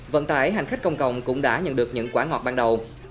vận tải hành khách công cộng cũng đã nhận được những quả ngọt ban đầu